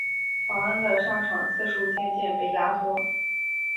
乔恩的上场次数渐渐被压缩。